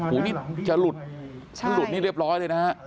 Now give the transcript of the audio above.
อู๋นี่จะหลุดหลุดนี่เรียบร้อยเลยนะ